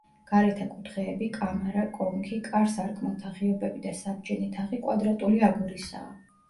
გარეთა კუთხეები, კამარა, კონქი, კარ-სარკმელთა ღიობები და საბჯენი თაღი კვადრატული აგურისაა.